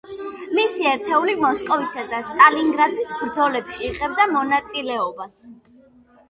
მისი ერთეული მოსკოვისა და სტალინგრადის ბრძოლებში იღებდა მონაწილეობას.